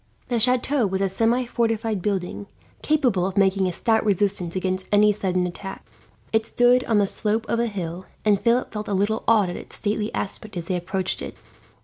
The chateau was a semi fortified building, capable of making a stout resistance against any sudden attack. It stood on the slope of a hill, and Philip felt a little awed at its stately aspect as they approached it.